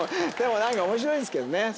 でも何か面白いですけどね